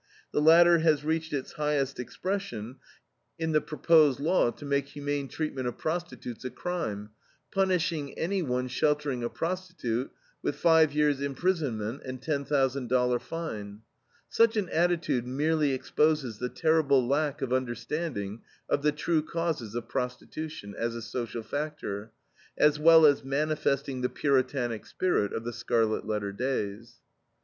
The latter has reached its highest expression in the proposed law to make humane treatment of prostitutes a crime, punishing any one sheltering a prostitute with five years' imprisonment and $10,000 fine. Such an attitude merely exposes the terrible lack of understanding of the true causes of prostitution, as a social factor, as well as manifesting the Puritanic spirit of the Scarlet Letter days.